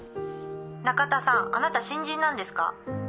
中田さんあなた新人なんですか？